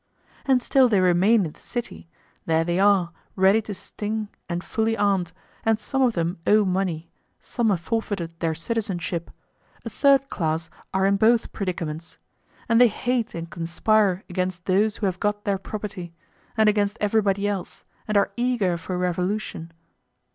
And still they remain in the city; there they are, ready to sting and fully armed, and some of them owe money, some have forfeited their citizenship; a third class are in both predicaments; and they hate and conspire against those who have got their property, and against everybody else, and are eager for revolution.